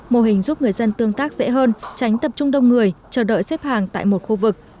mô hình giúp người dân tương tác dễ hơn tránh tập trung đông người chờ đợi xếp hàng tại một khu vực